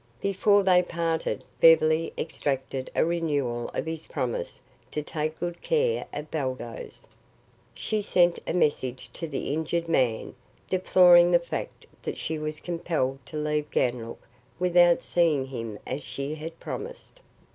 Before they parted, Beverly extracted a renewal of his promise to take good care of Baldos. She sent a message to the injured man, deploring the fact that she was compelled to leave Ganlook without seeing him as she had promised.